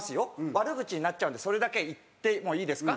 悪口になっちゃうんでそれだけ言ってもいいですか？